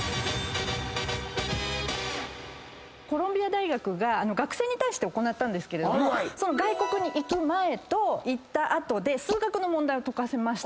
⁉コロンビア大学が学生に対して行ったんですけれども外国に行く前と行った後で数学の問題を解かせましたと。